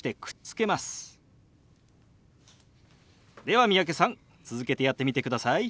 では三宅さん続けてやってみてください。